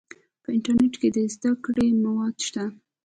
په انټرنیټ کې د زده کړې مواد شته.